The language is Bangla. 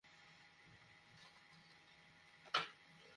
ওদের সাড়া পেয়ে দানবটা এমাকে ছেড়ে দিয়ে জানালা গলে ছুটে পালাল।